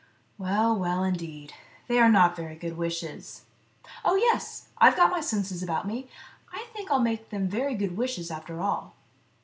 " Well, well, indeed ; they are not very good wishes." " Oh, yes ; I've got my senses about me. I think I'll make them good wishes, after all."